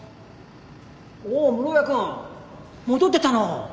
おお室屋くん。戻ってたの。